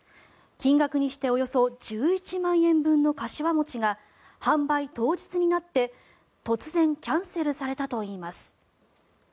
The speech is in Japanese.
金額にしておよそ１１万円分の柏餅が販売当日になって突然キャンセルされたといいます。